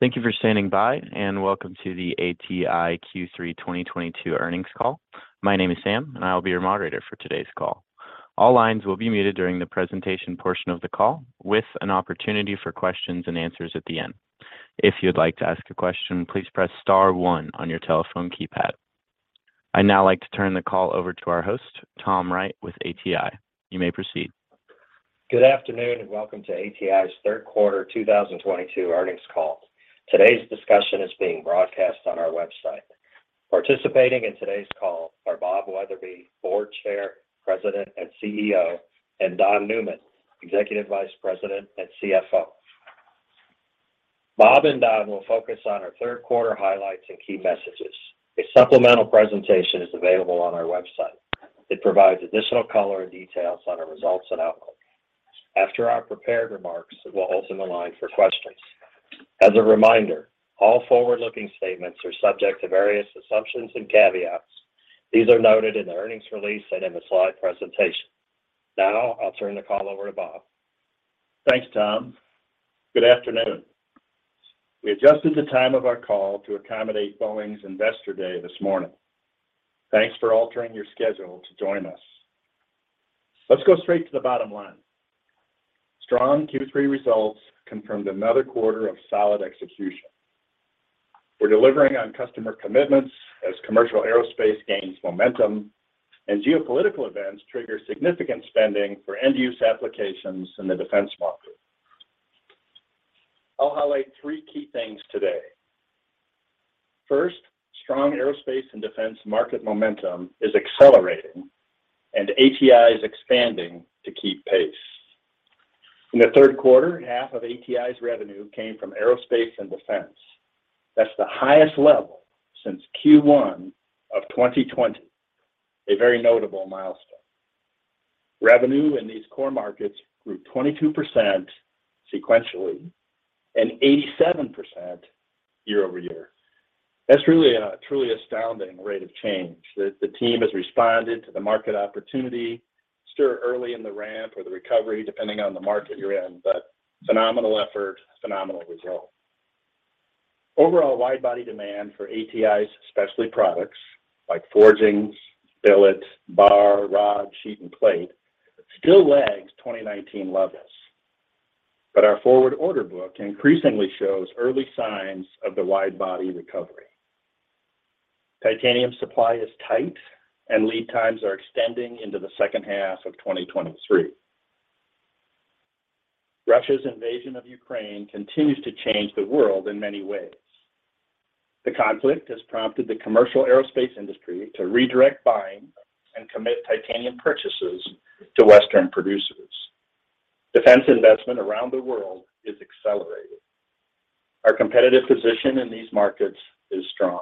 +Thank you for standing by, and welcome to the ATI Q3 2022 earnings call. My name is Sam, and I will be your moderator for today's call. All lines will be muted during the presentation portion of the call with an opportunity for questions and answers at the end. If you'd like to ask a question, please press star one on your telephone keypad. I'd now like to turn the call over to our host, Tom Wright with ATI. You may proceed. Good afternoon and welcome to ATI's third quarter 2022 earnings call. Today's discussion is being broadcast on our website. Participating in today's call are Robert Wetherbee, Board Chair, President, and CEO, and Don Newman, Executive Vice President and CFO. Bob and Don will focus on our third quarter highlights and key messages. A supplemental presentation is available on our website. It provides additional color and details on our results and outlook. After our prepared remarks, we'll open the line for questions. As a reminder, all forward-looking statements are subject to various assumptions and caveats. These are noted in the earnings release and in the slide presentation. Now, I'll turn the call over to Bob. Thanks, Tom. Good afternoon. We adjusted the time of our call to accommodate Boeing's Investor Day this morning. Thanks for altering your schedule to join us. Let's go straight to the bottom line. Strong Q3 results confirmed another quarter of solid execution. We're delivering on customer commitments as commercial aerospace gains momentum and geopolitical events trigger significant spending for end-use applications in the defense market. I'll highlight three key things today. First, strong aerospace and defense market momentum is accelerating, and ATI is expanding to keep pace. In the third quarter, half of ATI's revenue came from aerospace and defense. That's the highest level since Q1 of 2020, a very notable milestone. Revenue in these core markets grew 22% sequentially and 87% year-over-year. That's really a truly astounding rate of change that the team has responded to the market opportunity, so early in the ramp or the recovery depending on the market you're in. Phenomenal effort, phenomenal result. Overall wide-body demand for ATI's specialty products like forgings, billets, bar, rod, sheet, and plate still lags 2019 levels. Our forward order book increasingly shows early signs of the wide-body recovery. Titanium supply is tight and lead times are extending into the second half of 2023. Russia's invasion of Ukraine continues to change the world in many ways. The conflict has prompted the commercial aerospace industry to redirect buying and commit titanium purchases to Western producers. Defense investment around the world is accelerating. Our competitive position in these markets is strong.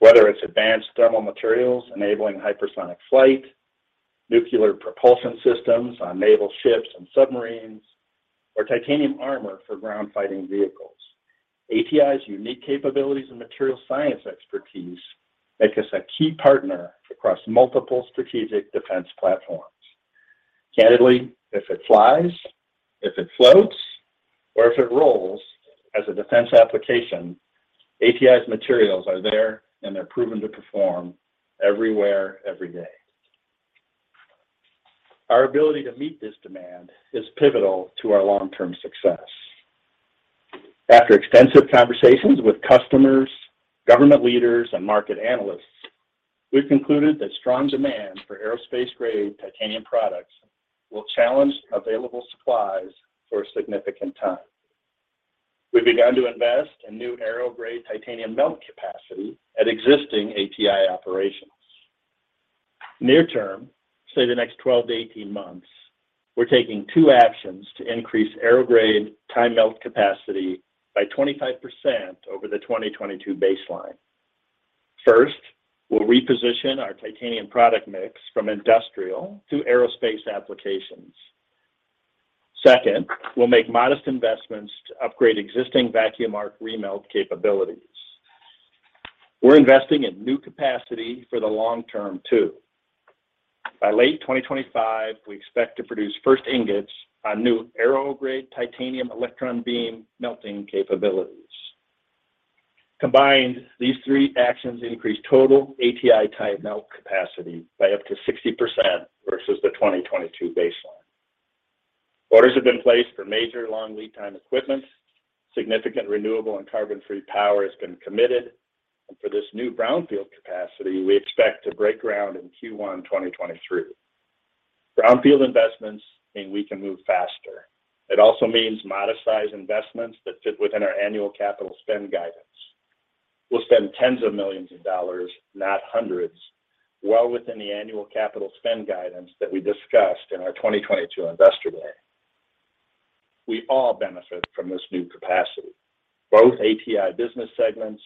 Whether it's advanced thermal materials enabling hypersonic flight, nuclear propulsion systems on naval ships and submarines, or titanium armor for ground fighting vehicles, ATI's unique capabilities and materials science expertise make us a key partner across multiple strategic defense platforms. Candidly, if it flies, if it floats, or if it rolls as a defense application, ATI's materials are there, and they're proven to perform everywhere, every day. Our ability to meet this demand is pivotal to our long-term success. After extensive conversations with customers, government leaders, and market analysts, we've concluded that strong demand for aerospace-grade titanium products will challenge available supplies for a significant time. We've begun to invest in new aero-grade titanium melt capacity at existing ATI operations. Near term, say the next 12-18 months, we're taking two actions to increase aero-grade ti melt capacity by 25% over the 2022 baseline. First, we'll reposition our titanium product mix from industrial to aerospace applications. Second, we'll make modest investments to upgrade existing vacuum arc remelt capabilities. We're investing in new capacity for the long term too. By late 2025, we expect to produce first ingots on new aero-grade titanium electron beam melting capabilities. Combined, these three actions increase total ATI Ti melt capacity by up to 60% versus the 2022 baseline. Orders have been placed for major long lead time equipment. Significant renewable and carbon-free power has been committed. For this new brownfield capacity, we expect to break ground in Q1 2023. Brownfield investments mean we can move faster. It also means modest size investments that fit within our annual capital spend guidance. We'll spend tens of millions of dollars, not hundreds, well within the annual capital spend guidance that we discussed in our 2022 Investor Day. We all benefit from this new capacity, both ATI business segments,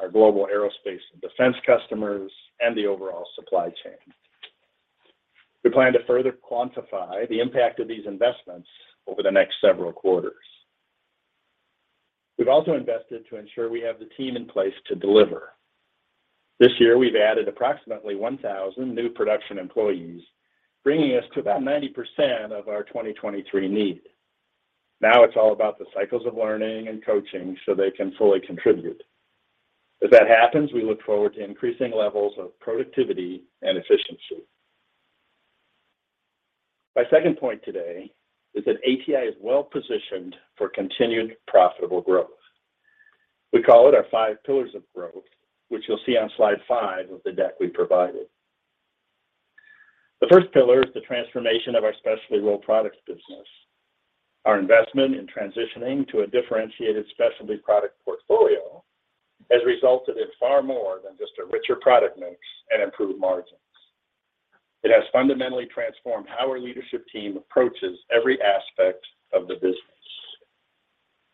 our global aerospace and defense customers, and the overall supply chain. We plan to further quantify the impact of these investments over the next several quarters. We've also invested to ensure we have the team in place to deliver. This year, we've added approximately 1,000 new production employees, bringing us to about 90% of our 2023 need. Now it's all about the cycles of learning and coaching so they can fully contribute. As that happens, we look forward to increasing levels of productivity and efficiency. My second point today is that ATI is well-positioned for continued profitable growth. We call it our five pillars of growth, which you'll see on slide five of the deck we provided. The first pillar is the transformation of our Specialty Rolled Products business. Our investment in transitioning to a differentiated specialty product portfolio has resulted in far more than just a richer product mix and improved margins. It has fundamentally transformed how our leadership team approaches every aspect of the business.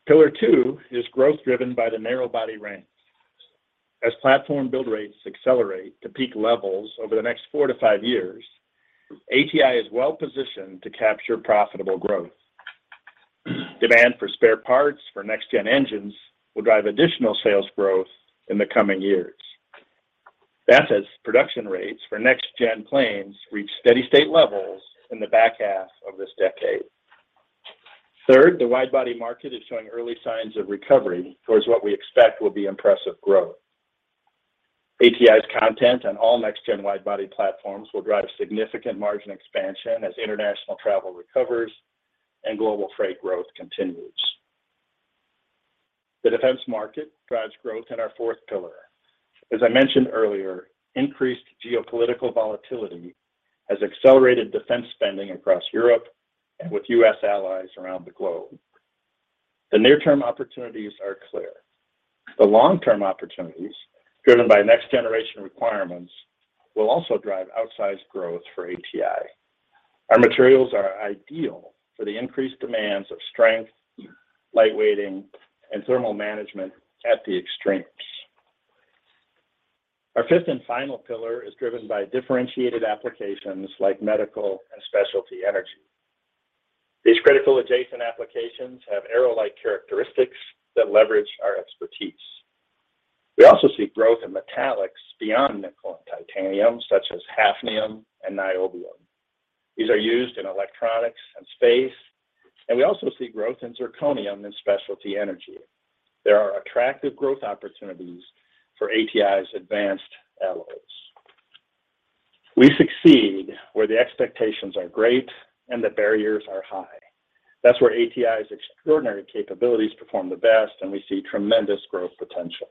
Pillar two is growth driven by the narrowbody ramps. As platform build rates accelerate to peak levels over the next four to five years, ATI is well-positioned to capture profitable growth. Demand for spare parts for next gen engines will drive additional sales growth in the coming years. That's as production rates for next gen planes reach steady state levels in the back half of this decade. Third, the wide body market is showing early signs of recovery towards what we expect will be impressive growth. ATI's content and all next gen wide body platforms will drive significant margin expansion as international travel recovers and global freight growth continues. The defense market drives growth in our fourth pillar. As I mentioned earlier, increased geopolitical volatility has accelerated defense spending across Europe and with U.S. allies around the globe. The near-term opportunities are clear. The long-term opportunities, driven by next generation requirements, will also drive outsized growth for ATI. Our materials are ideal for the increased demands of strength, light weighting, and thermal management at the extremes. Our fifth and final pillar is driven by differentiated applications like medical and specialty energy. These critical adjacent applications have aero-like characteristics that leverage our expertise. We also see growth in metallics beyond nickel and titanium, such as hafnium and niobium. These are used in electronics and space, and we also see growth in zirconium and specialty energy. There are attractive growth opportunities for ATI's advanced alloys. We succeed where the expectations are great and the barriers are high. That's where ATI's extraordinary capabilities perform the best, and we see tremendous growth potential.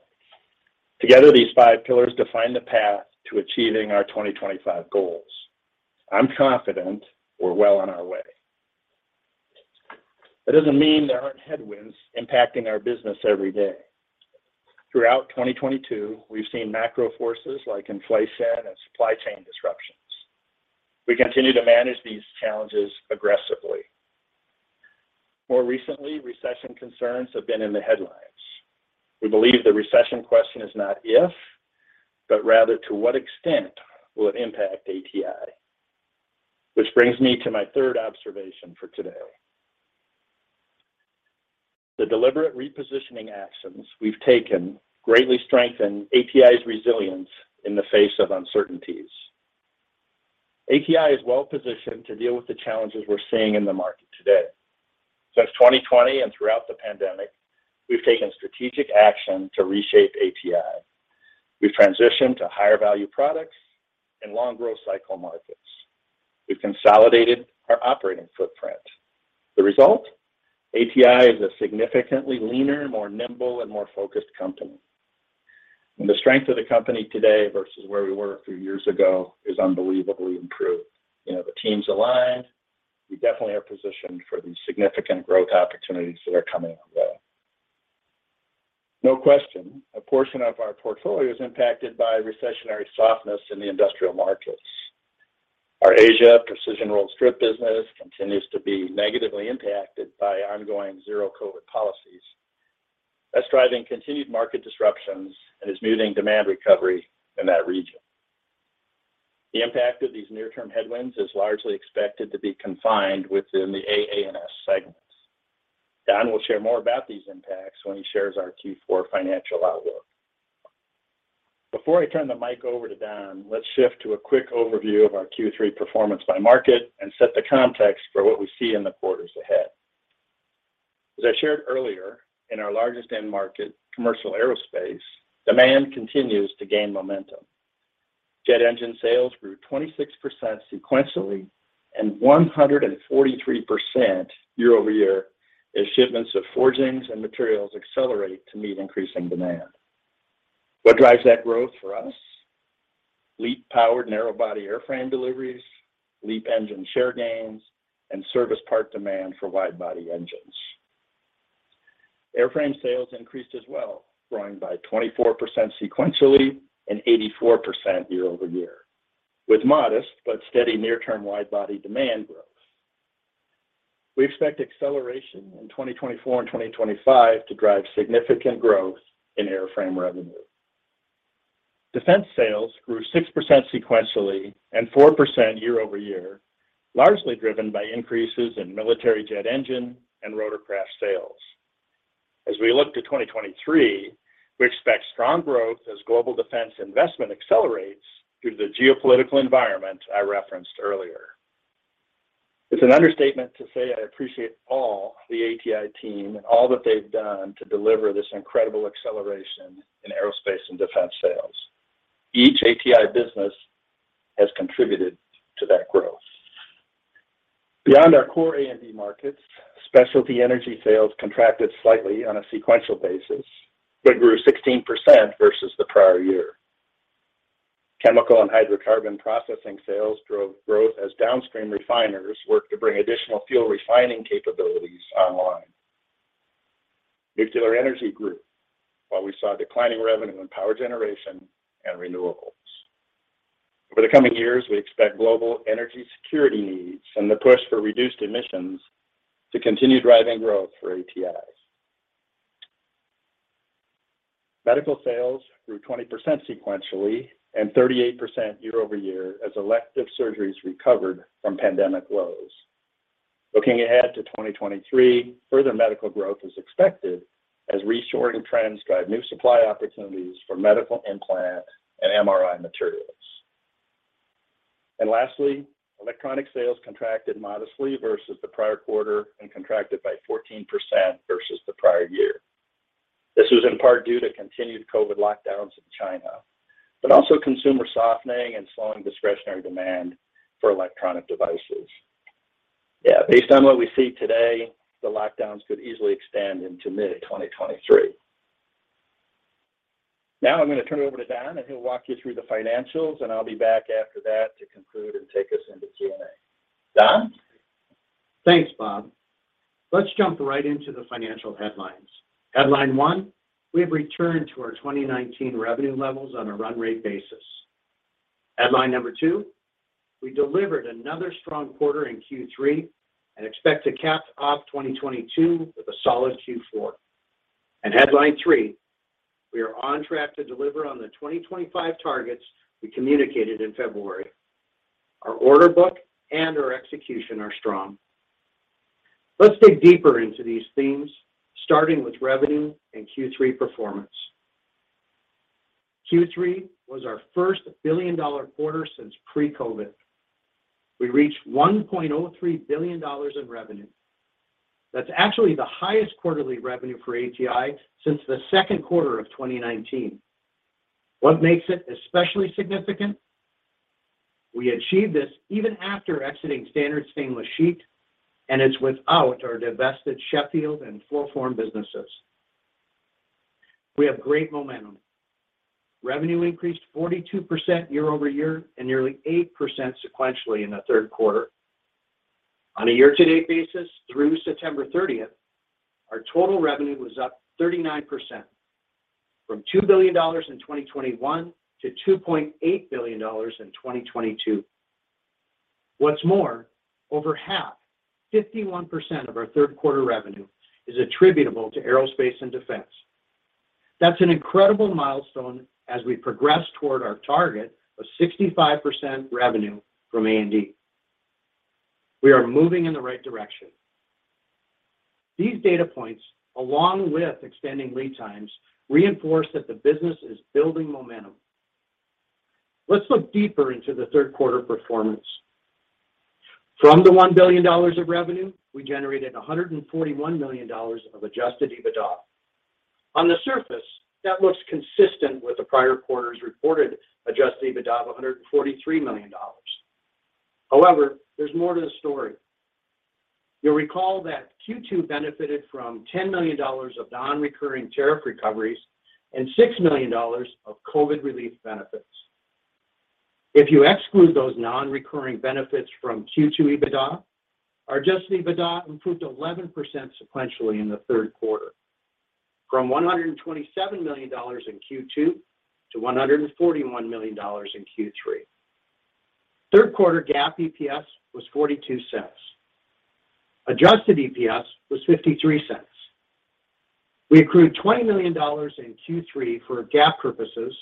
Together, these five pillars define the path to achieving our 2025 goals. I'm confident we're well on our way. That doesn't mean there aren't headwinds impacting our business every day. Throughout 2022, we've seen macro forces like inflation and supply chain disruptions. We continue to manage these challenges aggressively. More recently, recession concerns have been in the headlines. We believe the recession question is not if, but rather to what extent will it impact ATI? Which brings me to my third observation for today. The deliberate repositioning actions we've taken greatly strengthen ATI's resilience in the face of uncertainties. ATI is well-positioned to deal with the challenges we're seeing in the market today. Since 2020 and throughout the pandemic, we've taken strategic action to reshape ATI. We've transitioned to higher value products and long growth cycle markets. We've consolidated our operating footprint. The result, ATI is a significantly leaner, more nimble, and more focused company. The strength of the company today versus where we were a few years ago is unbelievably improved. You know, the team's aligned. We definitely are positioned for the significant growth opportunities that are coming our way. No question, a portion of our portfolio is impacted by recessionary softness in the industrial markets. Our Asia precision rolled strip business continues to be negatively impacted by ongoing zero COVID policies. That's driving continued market disruptions and is muting demand recovery in that region. The impact of these near-term headwinds is largely expected to be confined within the AA&S segments. Don will share more about these impacts when he shares our Q4 financial outlook. Before I turn the mic over to Don, let's shift to a quick overview of our Q3 performance by market and set the context for what we see in the quarters ahead. As I shared earlier, in our largest end market, commercial aerospace, demand continues to gain momentum. Jet engine sales grew 26% sequentially and 143% year-over-year as shipments of forgings and materials accelerate to meet increasing demand. What drives that growth for us? LEAP-powered narrow-body airframe deliveries, LEAP engine share gains, and service part demand for wide-body engines. Airframe sales increased as well, growing by 24% sequentially and 84% year-over-year, with modest but steady near-term wide body demand growth. We expect acceleration in 2024 and 2025 to drive significant growth in airframe revenue. Defense sales grew 6% sequentially and 4% year-over-year, largely driven by increases in military jet engine and rotorcraft sales. As we look to 2023, we expect strong growth as global defense investment accelerates due to the geopolitical environment I referenced earlier. It's an understatement to say I appreciate all the ATI team and all that they've done to deliver this incredible acceleration in aerospace and defense sales. Each ATI business has contributed to that growth. Beyond our core A&D markets, specialty energy sales contracted slightly on a sequential basis, but grew 16% versus the prior year. Chemical and hydrocarbon processing sales drove growth as downstream refiners worked to bring additional fuel refining capabilities online. Nuclear energy grew while we saw declining revenue in power generation and renewables. Over the coming years, we expect global energy security needs and the push for reduced emissions to continue driving growth for ATI. Medical sales grew 20% sequentially and 38% year-over-year as elective surgeries recovered from pandemic lows. Looking ahead to 2023, further medical growth is expected as reshoring trends drive new supply opportunities for medical implant and MRI materials. Lastly, electronic sales contracted modestly versus the prior quarter and contracted by 14% versus the prior year. This was in part due to continued COVID lockdowns in China, but also consumer softening and slowing discretionary demand for electronic devices. Yeah, based on what we see today, the lockdowns could easily extend into mid-2023. Now I'm going to turn it over to Don, and he'll walk you through the financials, and I'll be back after that to conclude and take us into Q&A. Don? Thanks, Bob. Let's jump right into the financial headlines. Headline one, we have returned to our 2019 revenue levels on a run rate basis. Headline number two, we delivered another strong quarter in Q3 and expect to cap off 2022 with a solid Q4. Headline three, we are on track to deliver on the 2025 targets we communicated in February. Our order book and our execution are strong. Let's dig deeper into these themes, starting with revenue and Q3 performance. Q3 was our first billion-dollar quarter since pre-COVID. We reached $1.03 billion in revenue. That's actually the highest quarterly revenue for ATI since the second quarter of 2019. What makes it especially significant? We achieved this even after exiting standard stainless sheet, and it's without our divested Sheffield and Flowform businesses. We have great momentum. Revenue increased 42% year-over-year and nearly 8% sequentially in the third quarter. On a year-to-date basis through September 30, our total revenue was up 39% from $2 billion in 2021 to $2.8 billion in 2022. What's more, over half, 51% of our third quarter revenue is attributable to aerospace and defense. That's an incredible milestone as we progress toward our target of 65% revenue from A&D. We are moving in the right direction. These data points, along with extending lead times, reinforce that the business is building momentum. Let's look deeper into the third quarter performance. From the $1 billion of revenue, we generated $141 million of Adjusted EBITDA. On the surface, that looks consistent with the prior quarter's reported Adjusted EBITDA of $143 million. However, there's more to the story. You'll recall that Q2 benefited from $10 million of non-recurring tariff recoveries and $6 million of COVID relief benefits. If you exclude those non-recurring benefits from Q2 EBITDA, our Adjusted EBITDA improved 11% sequentially in the third quarter from $127 million in Q2 to $141 million in Q3. Third quarter GAAP EPS was $0.42. Adjusted EPS was $0.53. We accrued $20 million in Q3 for GAAP purposes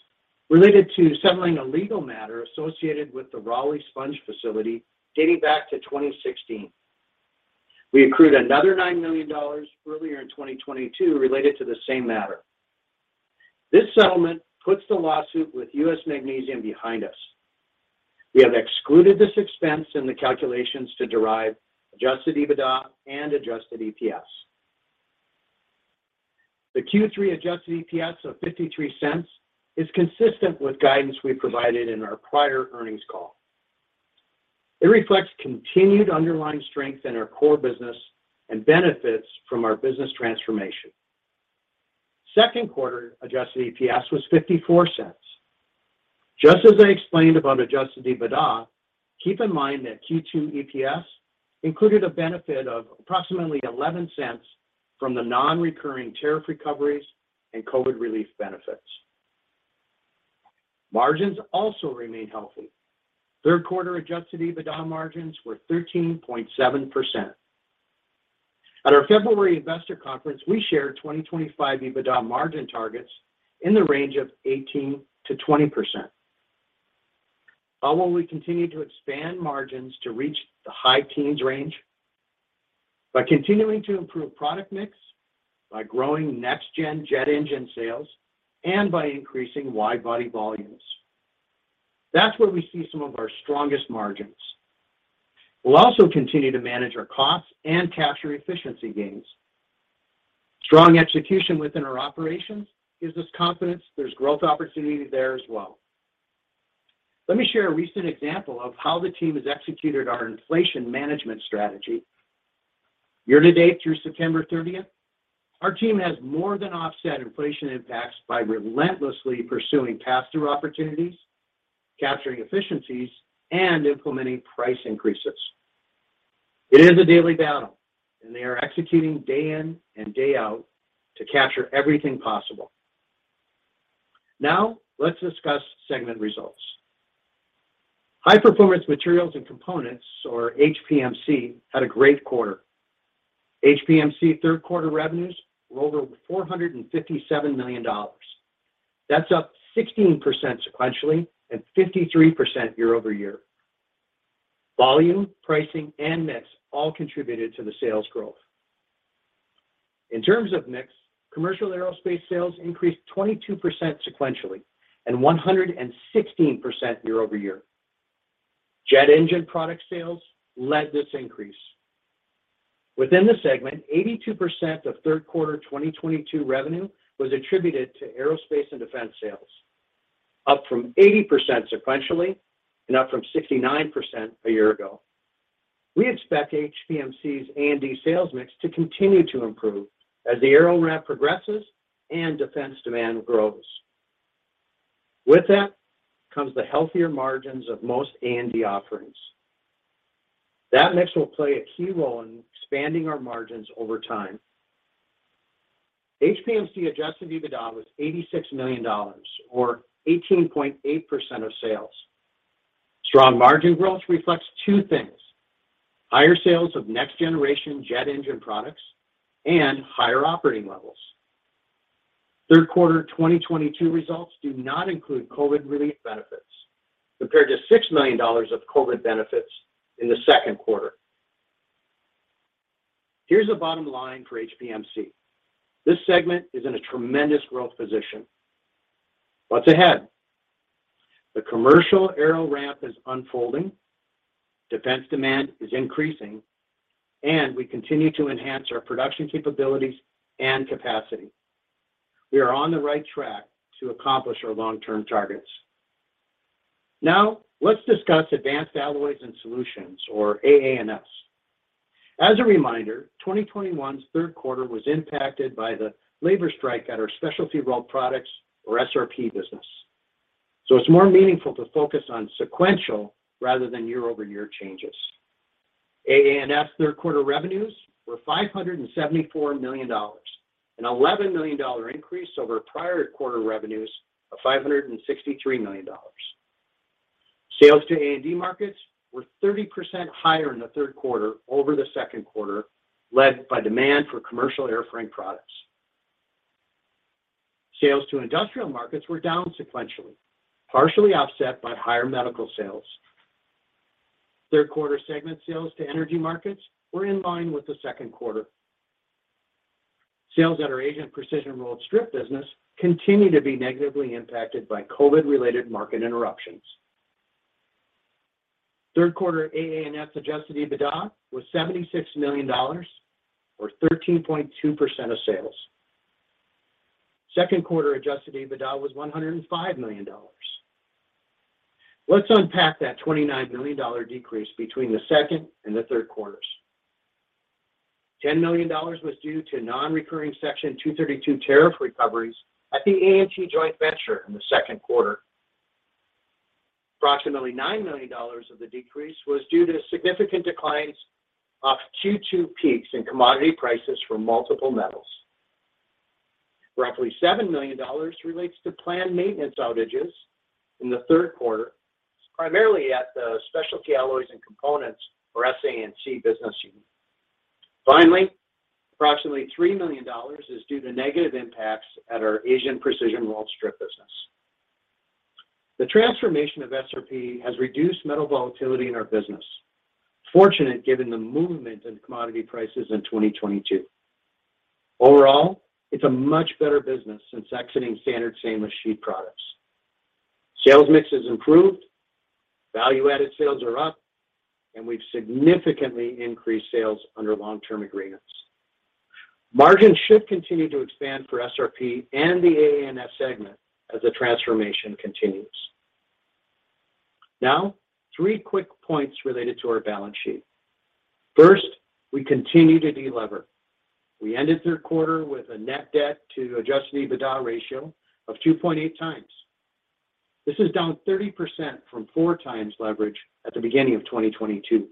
related to settling a legal matter associated with the Rowley Sponge facility dating back to 2016. We accrued another $9 million earlier in 2022 related to the same matter. This settlement puts the lawsuit with US Magnesium behind us. We have excluded this expense in the calculations to derive Adjusted EBITDA and adjusted EPS. The Q3 adjusted EPS of $0.53 is consistent with guidance we provided in our prior earnings call. It reflects continued underlying strength in our core business and benefits from our business transformation. Second quarter adjusted EPS was $0.54. Just as I explained about Adjusted EBITDA, keep in mind that Q2 EPS included a benefit of approximately $0.11 from the non-recurring tariff recoveries and COVID relief benefits. Margins also remain healthy. Third quarter Adjusted EBITDA margins were 13.7%. At our February investor conference, we shared 2025 EBITDA margin targets in the range of 18%-20%. How will we continue to expand margins to reach the high teens range? By continuing to improve product mix, by growing next-gen jet engine sales, and by increasing wide body volumes. That's where we see some of our strongest margins. We'll also continue to manage our costs and capture efficiency gains. Strong execution within our operations gives us confidence there's growth opportunity there as well. Let me share a recent example of how the team has executed our inflation management strategy. Year to date through September thirtieth, our team has more than offset inflation impacts by relentlessly pursuing passthrough opportunities, capturing efficiencies, and implementing price increases. It is a daily battle, and they are executing day in and day out to capture everything possible. Now, let's discuss segment results. High-performance materials and components, or HPMC, had a great quarter. HPMC third-quarter revenues were over $457 million. That's up 16% sequentially and 53% year-over-year. Volume, pricing, and mix all contributed to the sales growth. In terms of mix, commercial aerospace sales increased 22% sequentially and 116% year-over-year. Jet engine product sales led this increase. Within the segment, 82% of third quarter 2022 revenue was attributed to aerospace and defense sales, up from 80% sequentially and up from 69% a year ago. We expect HPMC's A&D sales mix to continue to improve as the aero ramp progresses and defense demand grows. With that comes the healthier margins of most A&D offerings. That mix will play a key role in expanding our margins over time. HPMC Adjusted EBITDA was $86 million or 18.8% of sales. Strong margin growth reflects two things, higher sales of next-generation jet engine products and higher operating levels. Third quarter 2022 results do not include COVID relief benefits, compared to $6 million of COVID benefits in the second quarter. Here's the bottom line for HPMC. This segment is in a tremendous growth position. What's ahead? The commercial aero ramp is unfolding, defense demand is increasing, and we continue to enhance our production capabilities and capacity. We are on the right track to accomplish our long-term targets. Now, let's discuss Advanced Alloys & Solutions or AA&S. As a reminder, 2021's third quarter was impacted by the labor strike at our Specialty Rolled Products or SRP business. It's more meaningful to focus on sequential rather than year-over-year changes. AA&S third-quarter revenues were $574 million, an $11 million increase over prior quarter revenues of $563 million. Sales to A&D markets were 30% higher in the third quarter over the second quarter, led by demand for commercial airframe products. Sales to industrial markets were down sequentially, partially offset by higher medical sales. Third quarter segment sales to energy markets were in line with the second quarter. Sales at our Asian precision rolled strip business continue to be negatively impacted by COVID-related market interruptions. Third quarter AA&S Adjusted EBITDA was $76 million or 13.2% of sales. Second quarter Adjusted EBITDA was $105 million. Let's unpack that $29 million decrease between the second and the third quarters. $10 million was due to non-recurring Section 232 tariff recoveries at the A&T joint venture in the second quarter. Approximately $9 million of the decrease was due to significant declines off Q2 peaks in commodity prices for multiple metals. Roughly $7 million relates to planned maintenance outages in the third quarter, primarily at the Specialty Alloys & Components or SAC business unit. Finally, approximately $3 million is due to negative impacts at our Asian precision rolled strip business. The transformation of SRP has reduced metal volatility in our business. Fortunately, given the movement in commodity prices in 2022. Overall, it's a much better business since exiting standard stainless sheet products. Sales mix has improved, value-added sales are up, and we've significantly increased sales under long-term agreements. Margins should continue to expand for SRP and the AA&S segment as the transformation continues. Now, three quick points related to our balance sheet. First, we continue to delever. We ended third quarter with a net debt to Adjusted EBITDA ratio of 2.8x. This is down 30% from 4x leverage at the beginning of 2022.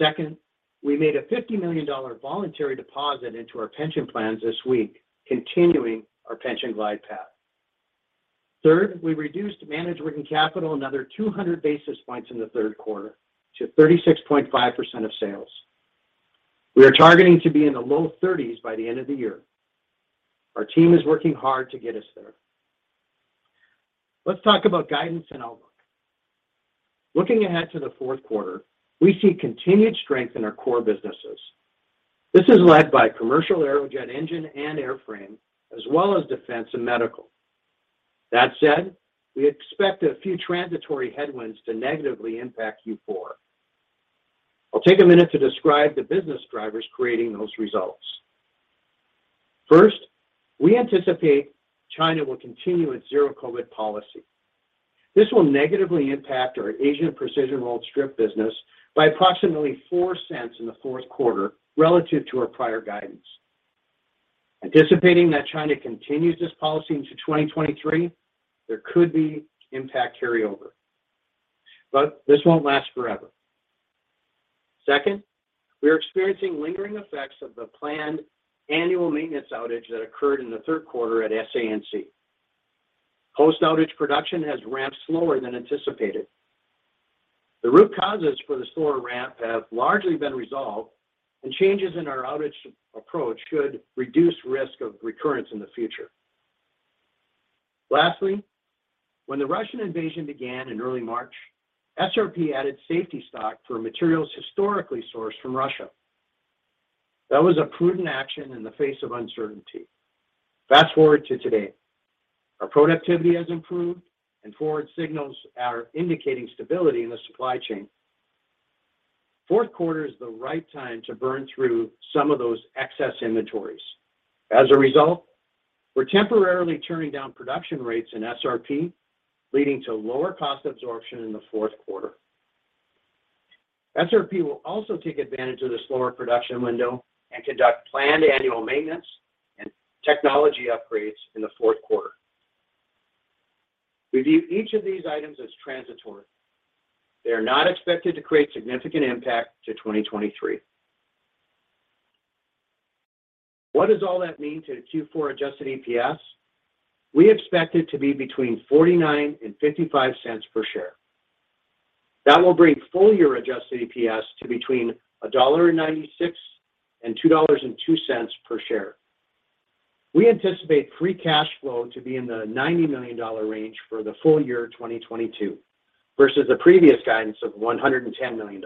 Second, we made a $50 million voluntary deposit into our pension plans this week, continuing our pension glide path. Third, we reduced managed working capital another 200 basis points in the third quarter to 36.5% of sales. We are targeting to be in the low 30s% by the end of the year. Our team is working hard to get us there. Let's talk about guidance and outlook. Looking ahead to the fourth quarter, we see continued strength in our core businesses. This is led by commercial aero, jet engine and airframe, as well as defense and medical. That said, we expect a few transitory headwinds to negatively impact Q4. I'll take a minute to describe the business drivers creating those results. First, we anticipate China will continue its zero-COVID policy. This will negatively impact our Asian precision rolled strip business by approximately $0.04 in the fourth quarter relative to our prior guidance. Anticipating that China continues this policy into 2023, there could be impact carryover. This won't last forever. Second, we are experiencing lingering effects of the planned annual maintenance outage that occurred in the third quarter at SANC. Post-outage production has ramped slower than anticipated. The root causes for the slower ramp have largely been resolved, and changes in our outage approach should reduce risk of recurrence in the future. Lastly, when the Russian invasion began in early March, SRP added safety stock for materials historically sourced from Russia. That was a prudent action in the face of uncertainty. Fast-forward to today. Our productivity has improved, and forward signals are indicating stability in the supply chain. Fourth quarter is the right time to burn through some of those excess inventories. As a result, we're temporarily turning down production rates in SRP, leading to lower cost absorption in the fourth quarter. SRP will also take advantage of the slower production window and conduct planned annual maintenance and technology upgrades in the fourth quarter. We view each of these items as transitory. They are not expected to create significant impact to 2023. What does all that mean to the Q4 adjusted EPS? We expect it to be between $0.49 and $0.55 per share. That will bring full-year adjusted EPS to between $1.96 and $2.02 per share. We anticipate free cash flow to be in the $90 million range for the full year 2022 versus the previous guidance of $110 million.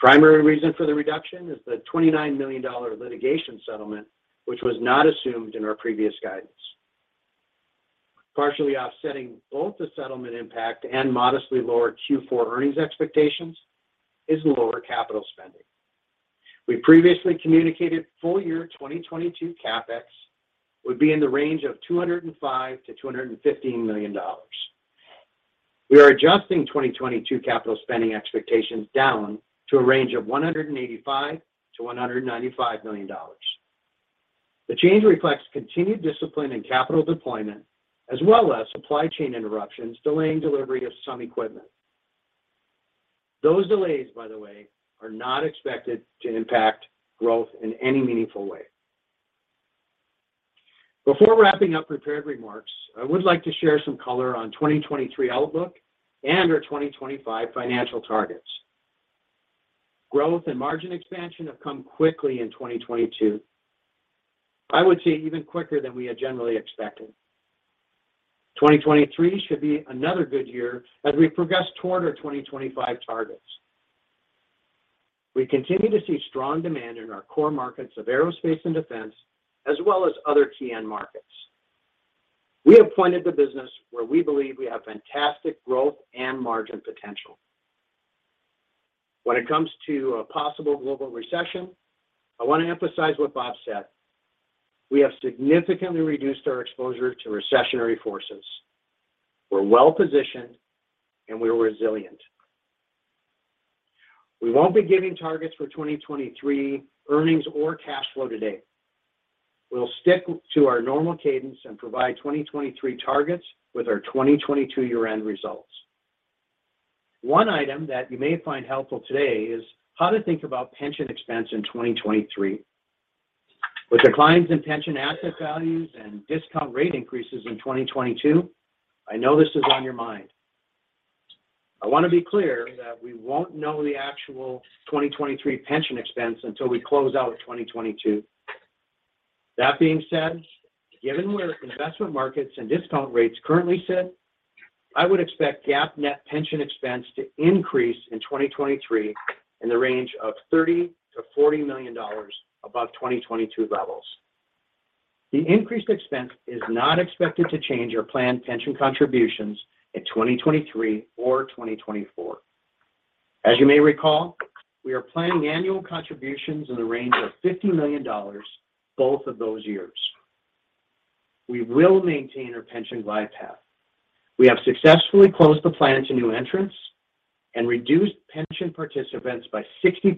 Primary reason for the reduction is the $29 million litigation settlement, which was not assumed in our previous guidance. Partially offsetting both the settlement impact and modestly lower Q4 earnings expectations is lower capital spending. We previously communicated full-year 2022 CapEx would be in the range of $205 million-$215 million. We are adjusting 2022 capital spending expectations down to a range of $185 million-$195 million. The change reflects continued discipline in capital deployment as well as supply chain interruptions delaying delivery of some equipment. Those delays, by the way, are not expected to impact growth in any meaningful way. Before wrapping up prepared remarks, I would like to share some color on 2023 outlook and our 2025 financial targets. Growth and margin expansion have come quickly in 2022. I would say even quicker than we had generally expected. 2023 should be another good year as we progress toward our 2025 targets. We continue to see strong demand in our core markets of aerospace and defense as well as other key end markets. We have pointed the business where we believe we have fantastic growth and margin potential. When it comes to a possible global recession, I want to emphasize what Bob said. We have significantly reduced our exposure to recessionary forces. We're well-positioned, and we're resilient. We won't be giving targets for 2023 earnings or cash flow today. We'll stick to our normal cadence and provide 2023 targets with our 2022 year-end results. One item that you may find helpful today is how to think about pension expense in 2023. With declines in pension asset values and discount rate increases in 2022, I know this is on your mind. I want to be clear that we won't know the actual 2023 pension expense until we close out 2022. That being said, given where investment markets and discount rates currently sit, I would expect GAAP net pension expense to increase in 2023 in the range of $30 million-$40 million above 2022 levels. The increased expense is not expected to change our planned pension contributions in 2023 or 2024. As you may recall, we are planning annual contributions in the range of $50 million both of those years. We will maintain our pension glide path. We have successfully closed the plan to new entrants and reduced pension participants by 60%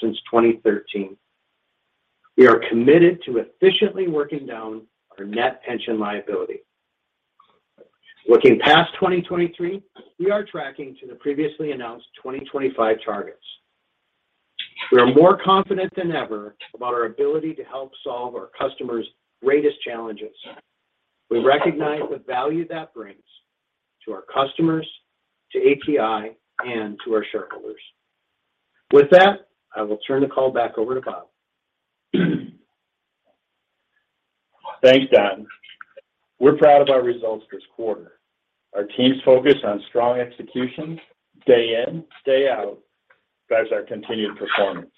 since 2013. We are committed to efficiently working down our net pension liability. Looking past 2023, we are tracking to the previously announced 2025 targets. We are more confident than ever about our ability to help solve our customers' greatest challenges. We recognize the value that brings. To our customers, to ATI, and to our shareholders. With that, I will turn the call back over to Bob. Thanks, Don. We're proud of our results this quarter. Our team's focus on strong execution day in, day out, drives our continued performance.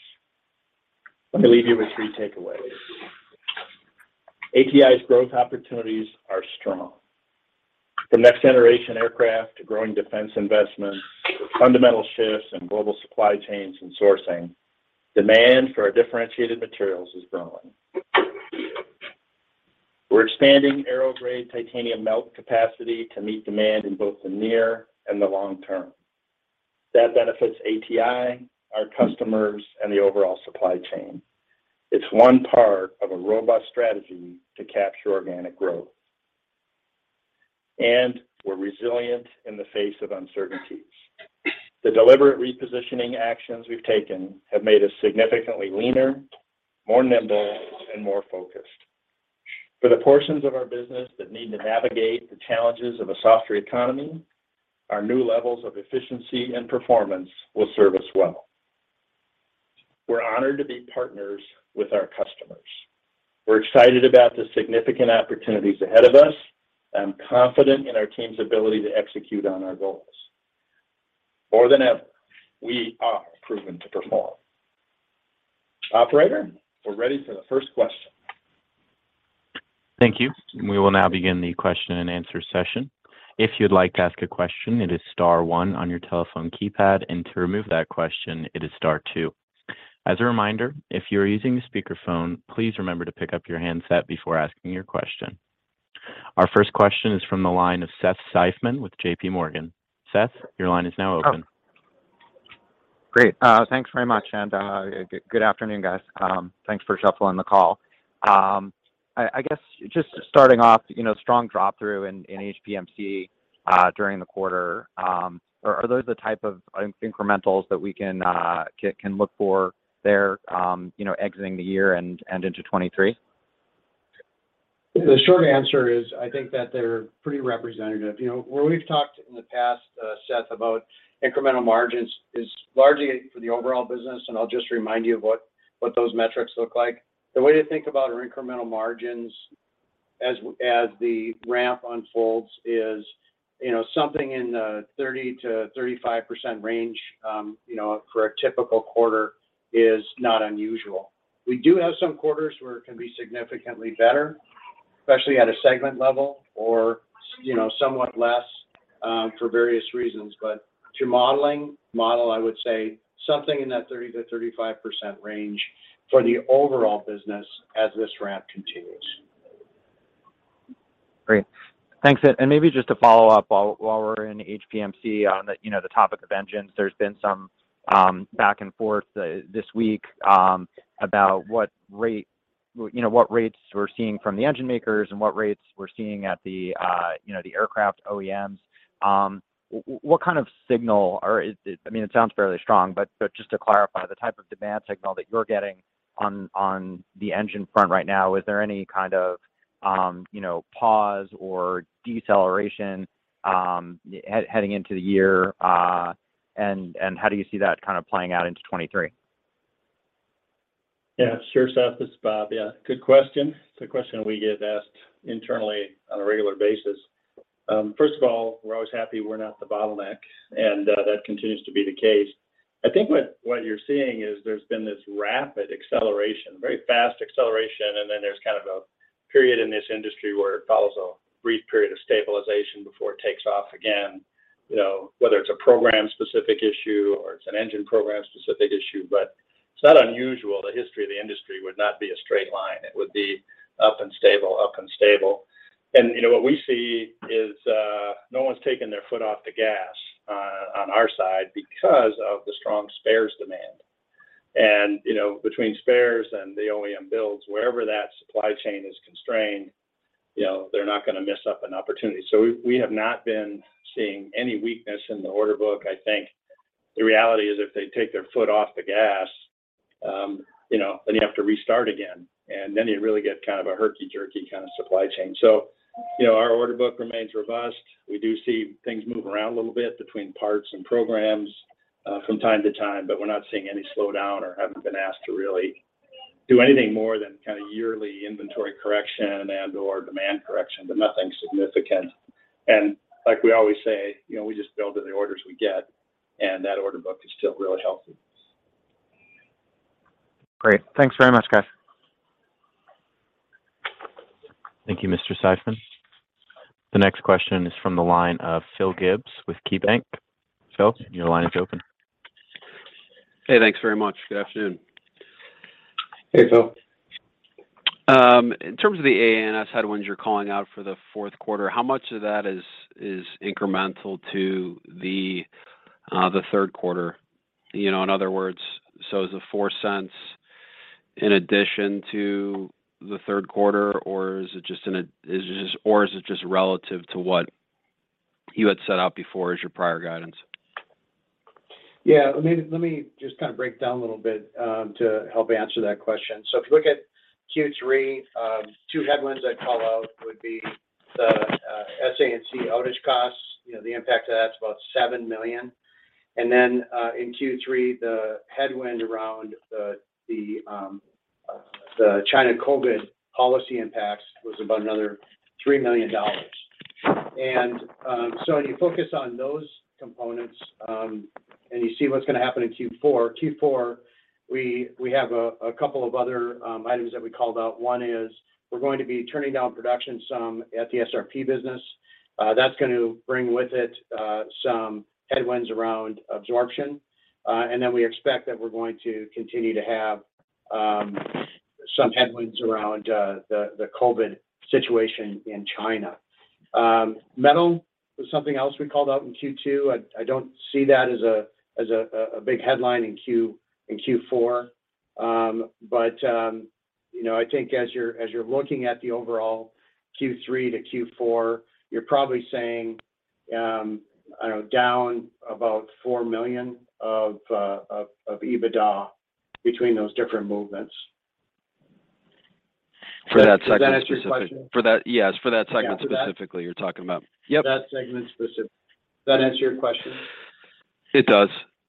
Let me leave you with three takeaways. ATI's growth opportunities are strong. From next generation aircraft to growing defense investments, to fundamental shifts in global supply chains and sourcing, demand for our differentiated materials is growing. We're expanding aero-grade titanium melt capacity to meet demand in both the near and the long term. That benefits ATI, our customers, and the overall supply chain. It's one part of a robust strategy to capture organic growth. We're resilient in the face of uncertainties. The deliberate repositioning actions we've taken have made us significantly leaner, more nimble, and more focused. For the portions of our business that need to navigate the challenges of a softer economy, our new levels of efficiency and performance will serve us well. We're honored to be partners with our customers. We're excited about the significant opportunities ahead of us. I'm confident in our team's ability to execute on our goals. More than ever, we are proven to perform. Operator, we're ready for the first question. Thank you. We will now begin the question and answer session. If you'd like to ask a question, it is star one on your telephone keypad. To remove that question, it is star two. As a reminder, if you're using a speakerphone, please remember to pick up your handset before asking your question. Our first question is from the line of Seth Seifman with JPMorgan. Seth, your line is now open. Great. Thanks very much. Good afternoon, guys. Thanks for shuffling the call. I guess just starting off, you know, strong drop-through in HPMC during the quarter. Are those the type of incrementals that we can look for there, you know, exiting the year and into 2023? The short answer is I think that they're pretty representative. You know, where we've talked in the past, Seth, about incremental margins is largely for the overall business, and I'll just remind you of what those metrics look like. The way to think about our incremental margins as the ramp unfolds is, you know, something in the 30%-35% range, you know, for a typical quarter is not unusual. We do have some quarters where it can be significantly better, especially at a segment level or, you know, somewhat less, for various reasons. To model, I would say something in that 30%-35% range for the overall business as this ramp continues. Great. Thanks. Maybe just to follow up while we're in HPMC on the, you know, the topic of engines. There's been some back and forth this week about what rates we're seeing from the engine makers and what rates we're seeing at the, you know, the aircraft OEMs. What kind of signal, or is it? I mean, it sounds fairly strong, but just to clarify, the type of demand signal that you're getting on the engine front right now, is there any kind of, you know, pause or deceleration heading into the year? How do you see that kind of playing out into 2023? Yeah, sure, Seth. This is Bob. Yeah, good question. It's a question we get asked internally on a regular basis. First of all, we're always happy we're not the bottleneck, and that continues to be the case. I think what you're seeing is there's been this rapid acceleration, very fast acceleration, and then there's kind of a period in this industry where it follows a brief period of stabilization before it takes off again, you know, whether it's a program-specific issue or it's an engine program-specific issue. It's not unusual. The history of the industry would not be a straight line. It would be up and stable, up and stable. You know, what we see is no one's taken their foot off the gas on our side because of the strong spares demand. You know, between spares and the OEM builds, wherever that supply chain is constrained, you know, they're not gonna miss out on an opportunity. We have not been seeing any weakness in the order book. I think the reality is if they take their foot off the gas, you know, then you have to restart again, and then you really get kind of a herky-jerky kind of supply chain. You know, our order book remains robust. We do see things move around a little bit between parts and programs, from time to time, but we're not seeing any slowdown or haven't been asked to really do anything more than kind of yearly inventory correction and/or demand correction, but nothing significant. Like we always say, you know, we just build to the orders we get, and that order book is still really healthy. Great. Thanks very much, guys. Thank you, Mr. Seifman. The next question is from the line of Philip Gibbs with KeyBank. Phil, your line is open. Hey, thanks very much. Good afternoon. Hey, Phil. In terms of the AA&S headwinds you're calling out for the fourth quarter, how much of that is incremental to the third quarter? You know, in other words, is the $0.04 in addition to the third quarter, or is it just relative to what you had set out before as your prior guidance? Yeah. Let me just kind of break down a little bit to help answer that question. If you look at Q3, two headwinds I'd call out would be the SANC outage costs. You know, the impact of that's about $7 million. In Q3, the headwind around the China COVID policy impacts was about another $3 million. When you focus on those components and you see what's gonna happen in Q4, we have a couple of other items that we called out. One is we're going to be turning down production some at the SRP business. That's going to bring with it some headwinds around absorption. We expect that we're going to continue to have some headwinds around the COVID situation in China. Metal was something else we called out in Q2. I don't see that as a big headline in Q4. You know, I think as you're looking at the overall Q3 to Q4, you're probably saying, I don't know, down about $4 million of EBITDA between those different movements. For that segment specifically. Does that answer your question? Yes, for that segment specifically you're talking about. Yep. For that segment specific. Does that answer your question? It does.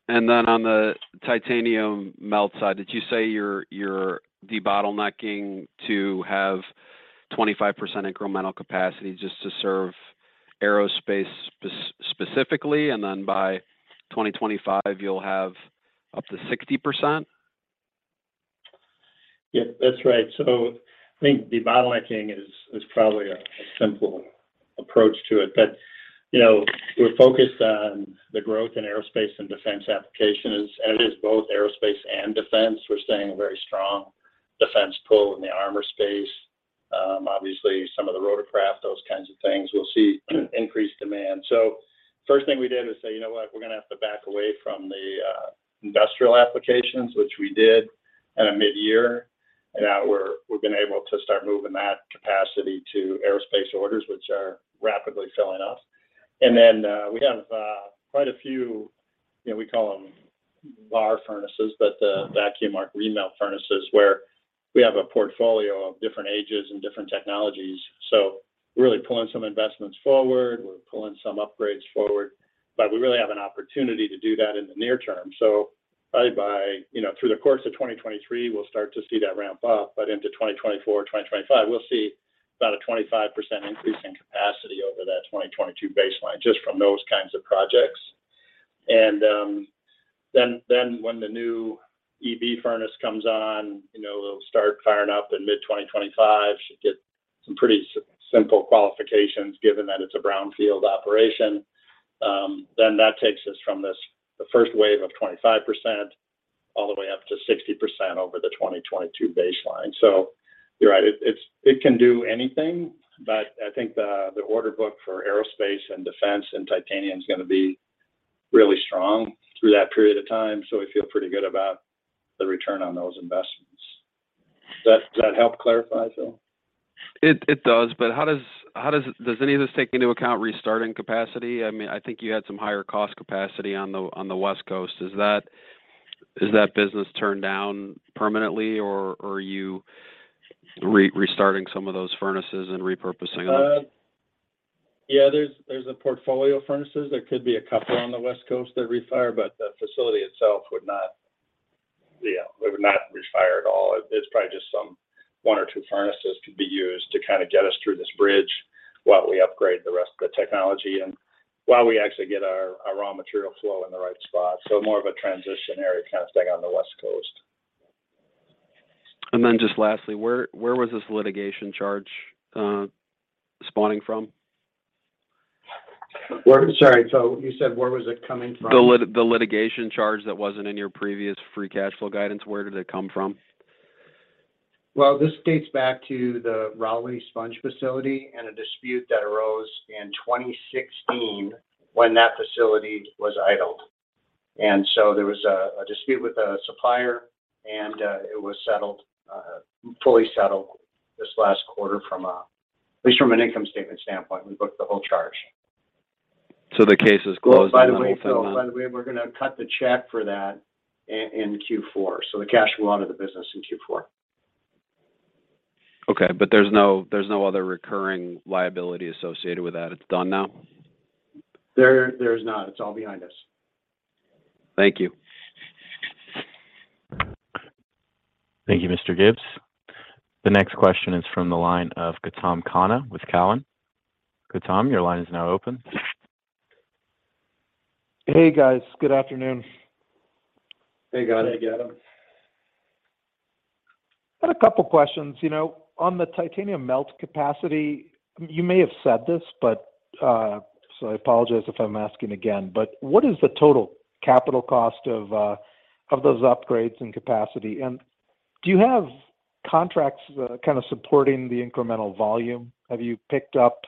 On the titanium melt side, did you say you're debottlenecking to have 25% incremental capacity just to serve aerospace specifically, and then by 2025 you'll have up to 60%? Yeah. That's right. I think debottlenecking is probably a simple approach to it. You know, we're focused on the growth in aerospace and defense applications. It is both aerospace and defense. We're seeing a very strong defense pull in the armor space. Obviously some of the rotorcraft, those kinds of things will see increased demand. First thing we did is say, "You know what? We're gonna have to back away from the industrial applications," which we did at a midyear. We've been able to start moving that capacity to aerospace orders, which are rapidly filling up. We have quite a few, you know, we call them VAR furnaces, but the vacuum arc remelt furnaces where we have a portfolio of different ages and different technologies. We're really pulling some investments forward. We're pulling some upgrades forward. We really have an opportunity to do that in the near term. Probably by, you know, through the course of 2023, we'll start to see that ramp up. Into 2024, 2025, we'll see about a 25% increase in capacity over that 2022 baseline, just from those kinds of projects. When the new EB furnace comes on, you know, it'll start firing up in mid-2025. Should get some pretty simple qualifications given that it's a brownfield operation. That takes us from this, the first wave of 25% all the way up to 60% over the 2022 baseline. You're right, it can do anything, but I think the order book for aerospace and defense and titanium's gonna be really strong through that period of time, so we feel pretty good about the return on those investments. Does that help clarify, Phil? It does. Does any of this take into account restarting capacity? I mean, I think you had some higher cost capacity on the West Coast. Is that business turned down permanently, or are you restarting some of those furnaces and repurposing them? There's a portfolio of furnaces. There could be a couple on the West Coast that refire, but the facility itself would not refire at all. It's probably just some one or two furnaces could be used to kind of get us through this bridge while we upgrade the rest of the technology and while we actually get our raw material flow in the right spot. More of a transitional kind of thing on the West Coast. Just lastly, where was this litigation charge spawning from? Sorry. You said where was it coming from? The litigation charge that wasn't in your previous free cash flow guidance, where did it come from? Well, this dates back to the Rowley Sponge facility and a dispute that arose in 2016 when that facility was idled. There was a dispute with a supplier, and it was fully settled this last quarter from at least from an income statement standpoint. We booked the whole charge. The case is closed, and then the whole amount. Oh, by the way, Phil, we're gonna cut the check for that in Q4, so the cash will go out of the business in Q4. Okay. There's no other recurring liability associated with that? It's done now? There, there's not. It's all behind us. Thank you. Thank you, Mr. Gibbs. The next question is from the line of Gautam Khanna with Cowen. Gautam, your line is now open. Hey, guys. Good afternoon. Hey, Gautam. Hey, Gautam. Got a couple questions. You know, on the titanium melt capacity, you may have said this, but I apologize if I'm asking again. What is the total capital cost of those upgrades and capacity? Do you have contracts kind of supporting the incremental volume? Have you picked up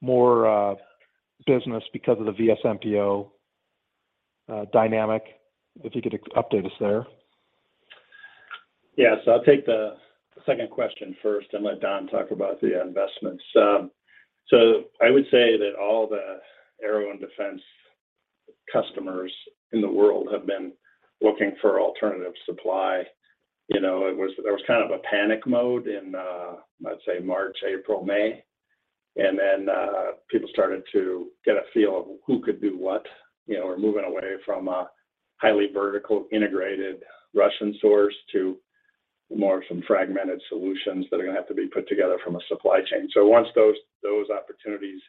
more business because of the VSMPO-AVISMA dynamic? If you could update us there. Yes, I'll take the second question first and let Don talk about the investments. So I would say that all the aero and defense customers in the world have been looking for alternative supply. You know, it was kind of a panic mode in, let's say March, April, May. Then, people started to get a feel of who could do what. You know, we're moving away from a highly vertically integrated Russian source to more of some fragmented solutions that are gonna have to be put together from a supply chain. Once those opportunities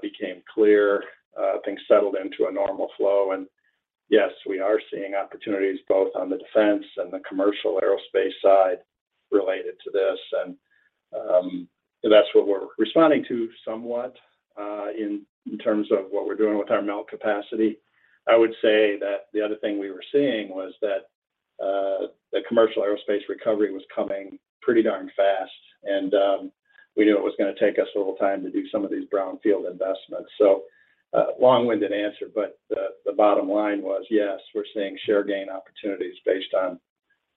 became clear, things settled into a normal flow. Yes, we are seeing opportunities both on the defense and the commercial aerospace side related to this. That's what we're responding to somewhat, in terms of what we're doing with our melt capacity. I would say that the other thing we were seeing was that the commercial aerospace recovery was coming pretty darn fast, and we knew it was gonna take us a little time to do some of these brownfield investments. Long-winded answer, but the bottom line was yes, we're seeing share gain opportunities based on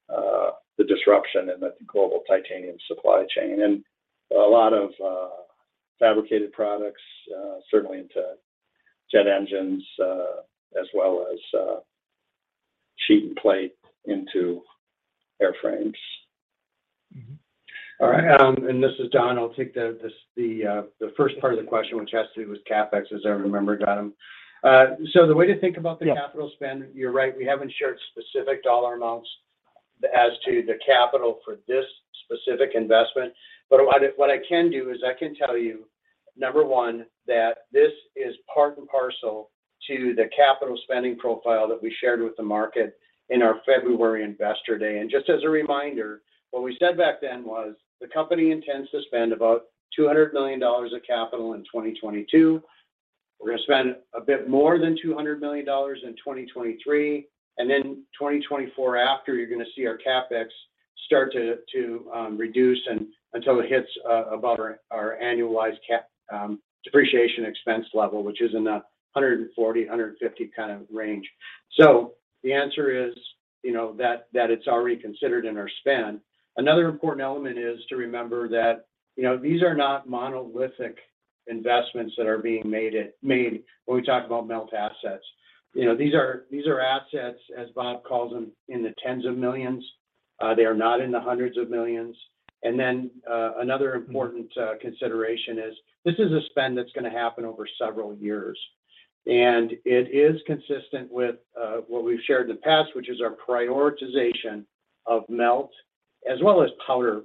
the disruption in the global titanium supply chain. A lot of fabricated products certainly into jet engines as well as sheet and plate into airframes. Mm-hmm. All right. This is Don. I'll take the first part of the question, which has to do with CapEx, as I remember, Don. The way to think about the capital spend, you're right, we haven't shared specific dollar amounts as to the capital for this specific investment. What I can do is I can tell you, number one, that this is part and parcel to the capital spending profile that we shared with the market in our February investor day. Just as a reminder, what we said back then was the company intends to spend about $200 million of capital in 2022. We're gonna spend a bit more than $200 million in 2023. Then 2024 after, you're gonna see our CapEx start to reduce until it hits above our annualized depreciation expense level, which is in the 140-150 kind of range. So the answer is, you know, that it's already considered in our spend. Another important element is to remember that, you know, these are not monolithic investments that are being made when we talk about melt assets. You know, these are assets, as Bob calls them, in the tens of millions. They are not in the hundreds of millions. Another important consideration is this is a spend that's gonna happen over several years. And it is consistent with what we've shared in the past, which is our prioritization of melt as well as powder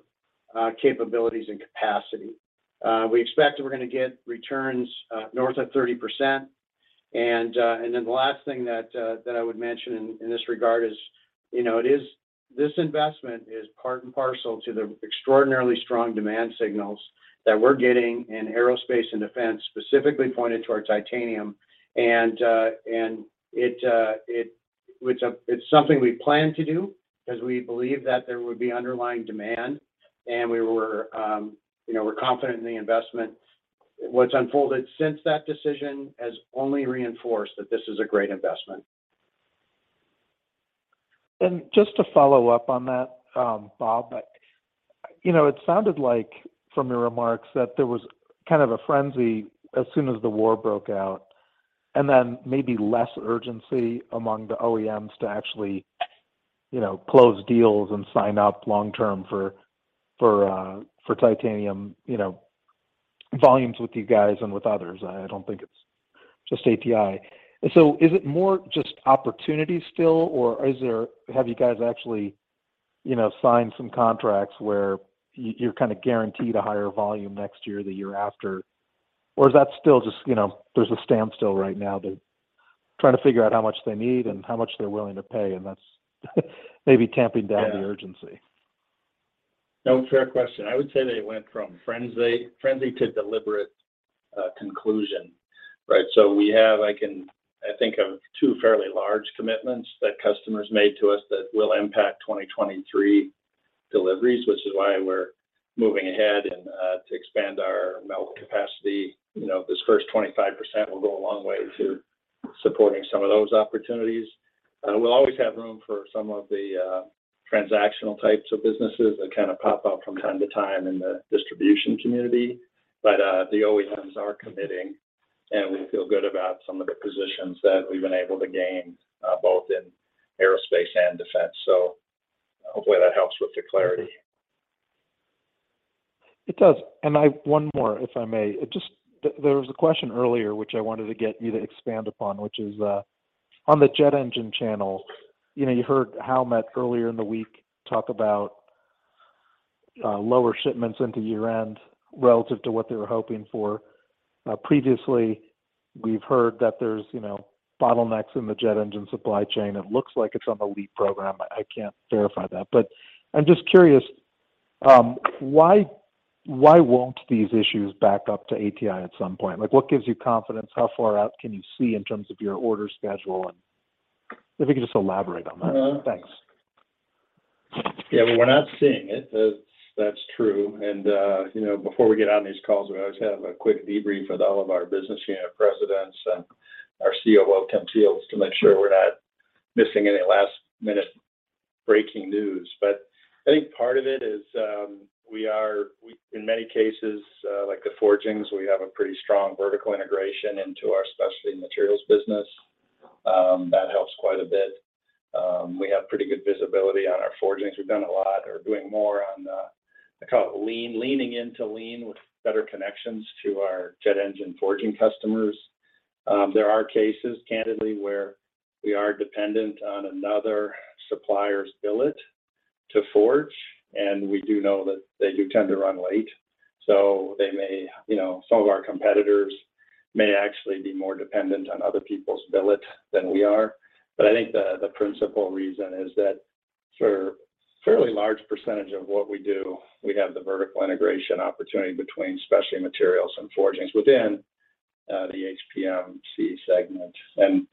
capabilities and capacity. We expect that we're gonna get returns north of 30%. Then the last thing that I would mention in this regard is, you know, this investment is part and parcel of the extraordinarily strong demand signals that we're getting in aerospace and defense, specifically pointed toward titanium. Which it's something we plan to do because we believe that there would be underlying demand. You know, we're confident in the investment. What's unfolded since that decision has only reinforced that this is a great investment. Just to follow up on that, Bob, you know, it sounded like from your remarks that there was kind of a frenzy as soon as the war broke out, and then maybe less urgency among the OEMs to actually, you know, close deals and sign up long term for titanium, you know, volumes with you guys and with others. I don't think it's just ATI. So is it more just opportunity still, or is there, have you guys actually, you know, signed some contracts where you're kind of guaranteed a higher volume next year or the year after? Is that still just, you know, there's a standstill right now. They're trying to figure out how much they need and how much they're willing to pay, and that's maybe tamping down the urgency. No, fair question. I would say they went from frenzy to deliberate conclusion, right? We have two fairly large commitments that customers made to us that will impact 2023 deliveries, which is why we're moving ahead to expand our melt capacity. You know, this first 25% will go a long way to supporting some of those opportunities. We'll always have room for some of the transactional types of businesses that kind of pop up from time to time in the distribution community. The OEMs are committing, and we feel good about some of the positions that we've been able to gain both in aerospace and defense. Hopefully that helps with the clarity. It does. One more, if I may. There was a question earlier which I wanted to get you to expand upon, which is on the jet engine channel. You know, you heard Howmet earlier in the week talk about lower shipments into year-end relative to what they were hoping for. Previously we've heard that there's, you know, bottlenecks in the jet engine supply chain. It looks like it's on the LEAP program. I can't verify that. But I'm just curious why won't these issues back up to ATI at some point? Like, what gives you confidence? How far out can you see in terms of your order schedule? And if you could just elaborate on that. Thanks. Yeah. Well, we're not seeing it. That's true. You know, before we get on these calls, we always have a quick debrief with all of our business unit presidents and our COO, Kimberly Fields, to make sure we're not missing any last-minute breaking news. I think part of it is we, in many cases, like the forgings, have a pretty strong vertical integration into our specialty materials business. That helps quite a bit. We have pretty good visibility on our forgings. We've done a lot or doing more on I call it lean, leaning into lean with better connections to our jet engine forging customers. There are cases candidly where we are dependent on another supplier's billet to forge, and we do know that they do tend to run late. They may, you know, some of our competitors may actually be more dependent on other people's billet than we are. I think the principal reason is that for fairly large percentage of what we do, we have the vertical integration opportunity between specialty materials and forgings within the HPMC segment. You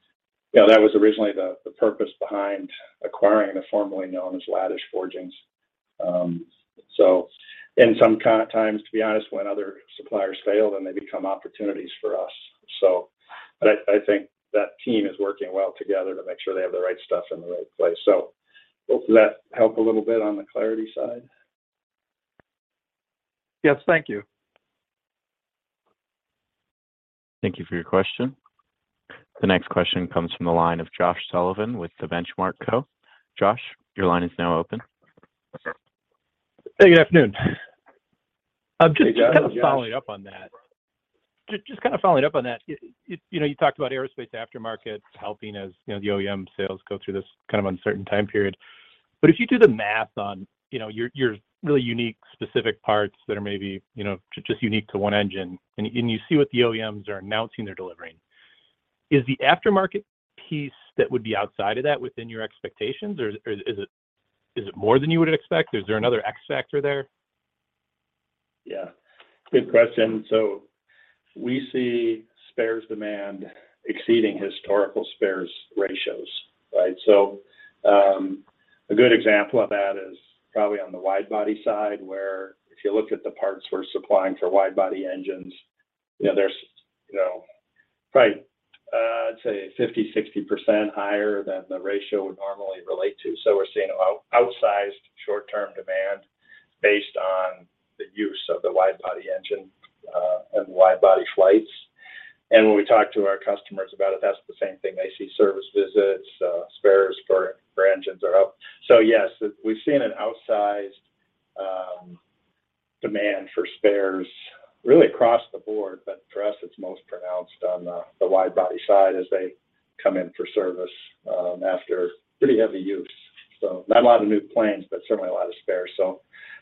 know, that was originally the purpose behind acquiring the formerly known as Ladish Forgings. Sometimes, to be honest, when other suppliers fail, then they become opportunities for us. I think that team is working well together to make sure they have the right stuff in the right place. Hopefully that help a little bit on the clarity side. Yes. Thank you. Thank you for your question. The next question comes from the line of Josh Sullivan with The Benchmark Company. Josh, your line is now open. Hey, good afternoon. Hey, Josh. Just kind of following up on that. You know, you talked about aerospace aftermarket helping as, you know, the OEM sales go through this kind of uncertain time period. But if you do the math on, you know, your really unique specific parts that are maybe, you know, just unique to one engine and you see what the OEMs are announcing they're delivering, is the aftermarket piece that would be outside of that within your expectations, or is it more than you would expect? Is there another X factor there? Yeah. Good question. We see spares demand exceeding historical spares ratios, right? A good example of that is probably on the wide body side, where if you look at the parts we're supplying for wide body engines, you know, there's, you know, probably, I'd say 50-60% higher than the ratio would normally relate to. We're seeing outsized short-term demand based on the use of the wide body engine and wide body flights. When we talk to our customers about it, that's the same thing. They see service visits, spares for engines are up. Yes, we've seen an outsized demand for spares really across the board, but for us, it's most pronounced on the wide body side as they come in for service after pretty heavy use. Not a lot of new plans, but certainly a lot of spares.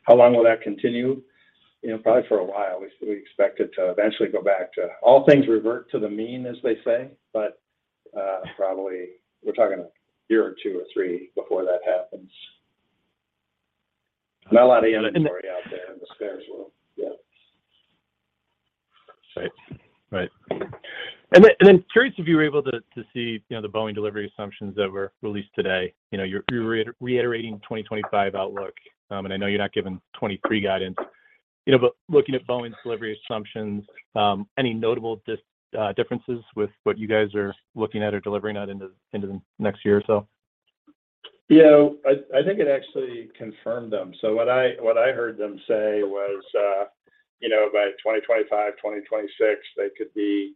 How long will that continue? You know, probably for a while. We expect it to eventually go back to all things revert to the mean, as they say. Probably we're talking a year or two or three before that happens. Not a lot of inventory out there in the spares world. Yeah. Right. Curious if you were able to see, you know, the Boeing delivery assumptions that were released today. You know, you're reiterating 2025 outlook. I know you're not giving 2023 guidance, you know, but looking at Boeing's delivery assumptions, any notable differences with what you guys are looking at or delivering on into the next year or so? You know, I think it actually confirmed them. What I heard them say was, you know, by 2025, 2026, they could be,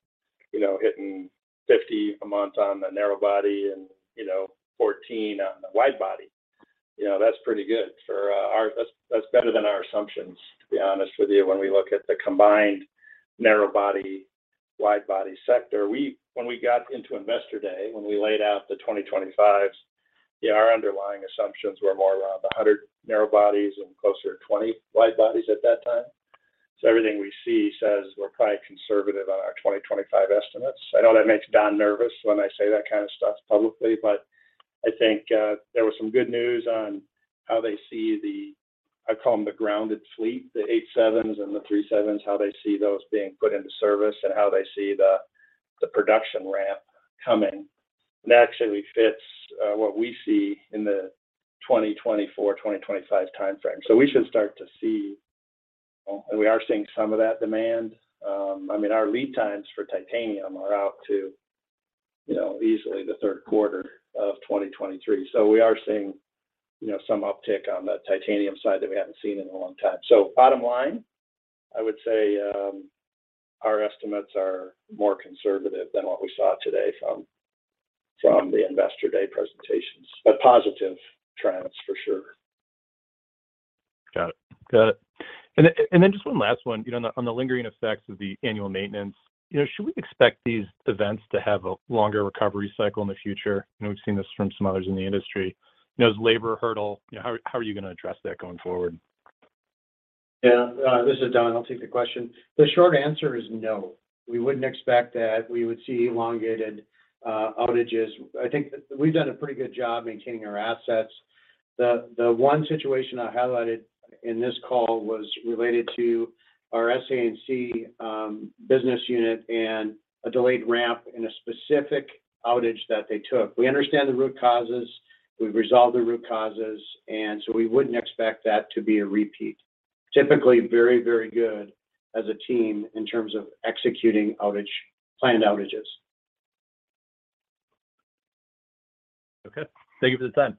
you know, hitting 50 a month on the narrow body and, you know, 14 on the wide body. You know, that's pretty good for our. That's better than our assumptions, to be honest with you. When we look at the combined narrow body, wide body sector. When we got into Investor Day, when we laid out the 2025s, yeah, our underlying assumptions were more around 100 narrow bodies and closer to 20 wide bodies at that time. Everything we see says we're probably conservative on our 2025 estimates. I know that makes Don nervous when I say that kind of stuff publicly, but I think there was some good news on how they see the, I call them the grounded fleet, the 737s and the 777s, how they see those being put into service and how they see the production ramp coming. That actually fits what we see in the 2024, 2025 timeframe. We should start to see, and we are seeing some of that demand. I mean, our lead times for titanium are out to, you know, easily the third quarter of 2023. We are seeing, you know, some uptick on the titanium side that we haven't seen in a long time. Bottom line, I would say, our estimates are more conservative than what we saw today from the Investor Day presentations, but positive trends for sure. Got it. Then just one last one. You know, on the lingering effects of the annual maintenance, you know, should we expect these events to have a longer recovery cycle in the future? You know, we've seen this from some others in the industry. You know, this labor hurdle, you know, how are you gonna address that going forward? Yeah. This is Don. I'll take the question. The short answer is no. We wouldn't expect that we would see elongated outages. I think we've done a pretty good job maintaining our assets. The one situation I highlighted in this call was related to our SA&C business unit and a delayed ramp in a specific outage that they took. We understand the root causes. We've resolved the root causes, and so we wouldn't expect that to be a repeat. Typically very, very good as a team in terms of executing outage, planned outages. Okay. Thank you for the time.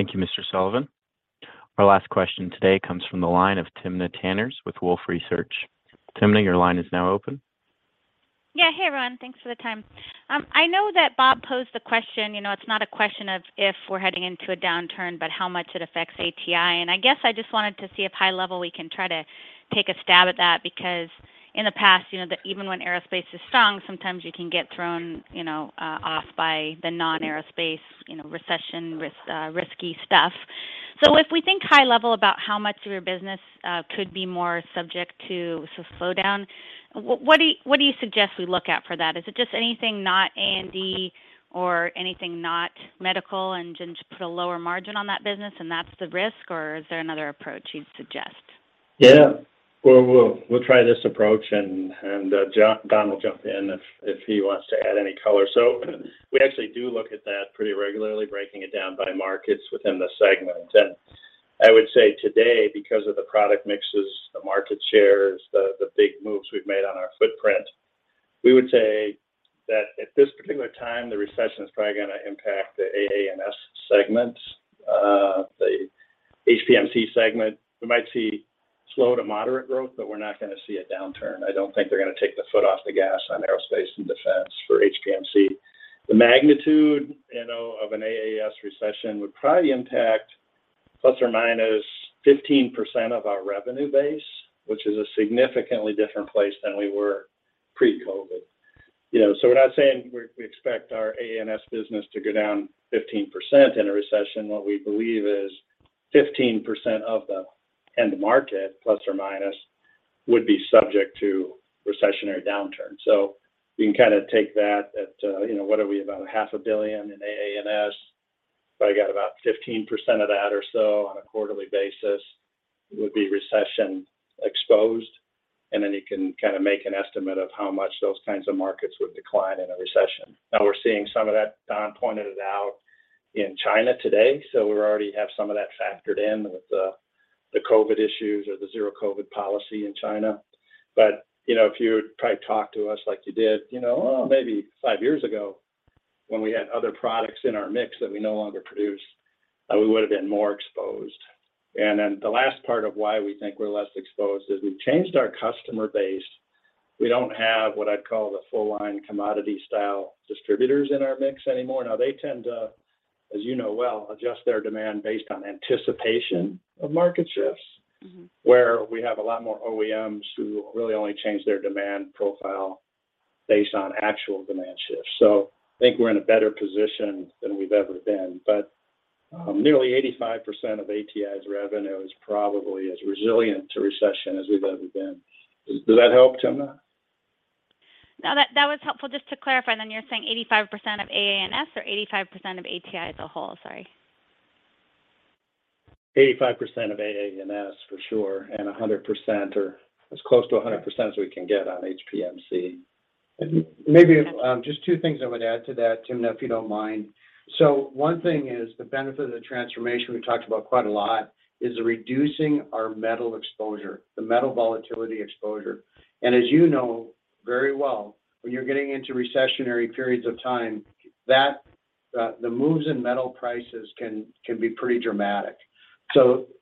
Thank you, Mr. Sullivan. Our last question today comes from the line of Timna Tanners with Wolfe Research. Timna, your line is now open. Yeah. Hey, everyone. Thanks for the time. I know that Bob posed the question, you know, it's not a question of if we're heading into a downturn, but how much it affects ATI. I guess I just wanted to see if high level we can try to take a stab at that because in the past, you know, even when aerospace is strong, sometimes you can get thrown, you know, off by the non-aerospace, you know, recession risk, risky stuff. If we think high level about how much of your business could be more subject to some slowdown, what do you suggest we look at for that? Is it just anything not A&D or anything not medical, and just put a lower margin on that business and that's the risk? Or is there another approach you'd suggest? Yeah. We'll try this approach and Don will jump in if he wants to add any color. We actually do look at that pretty regularly, breaking it down by markets within the segment. I would say today, because of the product mixes, the market shares, the big moves we've made on our footprint, we would say that at this particular time, the recession's probably gonna impact the AA&S segment, the HPMC segment. We might see slow to moderate growth, but we're not gonna see a downturn. I don't think they're gonna take the foot off the gas on aerospace and defense for HPMC. The magnitude, you know, of an AA&S recession would probably impact ±15% of our revenue base, which is a significantly different place than we were pre-COVID. You know, we're not saying we expect our AA&S business to go down 15% in a recession. What we believe is 15% of the end market, plus or minus, would be subject to recessionary downturn. We can kind of take that at, you know, what are we? About $0.5 billion in AA&S, probably got about 15% of that or so on a quarterly basis would be recession exposed, and then you can kind of make an estimate of how much those kinds of markets would decline in a recession. Now we're seeing some of that, Don pointed it out, in China today, so we already have some of that factored in with the COVID issues or the zero COVID policy in China. You know, if you would probably talk to us like you did, you know, oh, maybe five years ago when we had other products in our mix that we no longer produce, we would've been more exposed. The last part of why we think we're less exposed is we've changed our customer base. We don't have what I'd call the full line commodity style distributors in our mix anymore. Now, they tend to, as you know well, adjust their demand based on anticipation of market shifts. Mm-hmm. Where we have a lot more OEMs who really only change their demand profile based on actual demand shifts. I think we're in a better position than we've ever been. Nearly 85% of ATI's revenue is probably as resilient to recession as we've ever been. Does that help, Timna? No, that was helpful. Just to clarify, then you're saying 85% of AA&S or 85% of ATI as a whole? Sorry. 85% of AA&S for sure, and 100% or as close to 100% as we can get on HPMC. Maybe just two things I would add to that, Timna, if you don't mind. One thing is the benefit of the transformation we talked about quite a lot is reducing our metal exposure, the metal volatility exposure. As you know very well, when you're getting into recessionary periods of time, that the moves in metal prices can be pretty dramatic.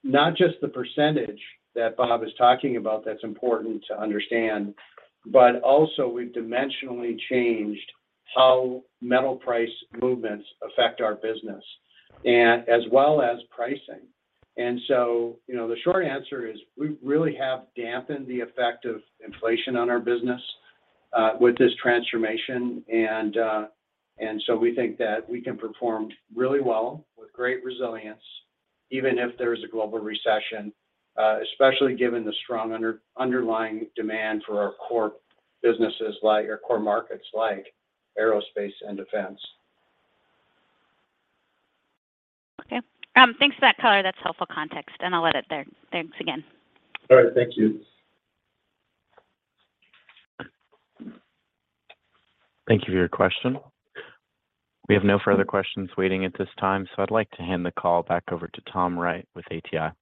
Not just the percentage that Bob is talking about that's important to understand, but also we've dimensionally changed how metal price movements affect our business and as well as pricing. You know, the short answer is we really have dampened the effect of inflation on our business with this transformation and so we think that we can perform really well with great resilience, even if there is a global recession, especially given the strong underlying demand for our core businesses like, or core markets like aerospace and defense. Okay. Thanks for that color. That's helpful context, and I'll leave it there. Thanks again. All right. Thank you. Thank you for your question. We have no further questions waiting at this time, so I'd like to hand the call back over to Tom Wright with ATI.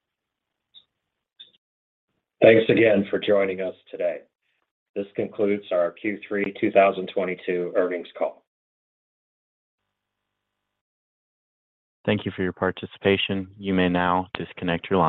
Thanks again for joining us today. This concludes our Q3 2022 earnings call. Thank you for your participation. You may now disconnect your line.